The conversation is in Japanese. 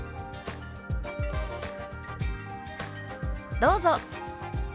どうぞ。